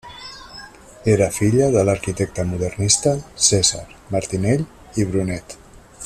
Era filla de l'arquitecte modernista Cèsar Martinell i Brunet.